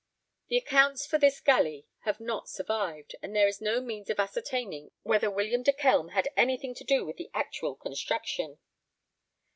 The accounts for this galley have not survived, and there is no means of ascertaining whether William de Kelm had anything to do with the actual construction.